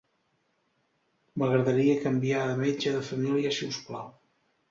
M'agradaria canviar de metge de família si us plau.